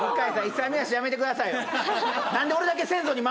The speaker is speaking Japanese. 勇み足やめてくださいよ